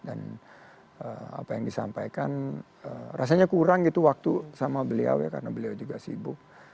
dan apa yang disampaikan rasanya kurang gitu waktu sama beliau ya karena beliau juga sibuk